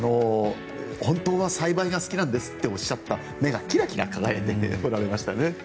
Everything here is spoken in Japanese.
本当は栽培が好きなんですっておっしゃった目がキラキラ輝いておられましたね。